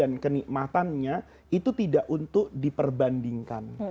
dan kenikmatannya itu tidak untuk diperbandingkan